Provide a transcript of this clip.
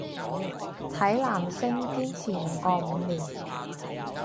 睇男星堅持唔過五年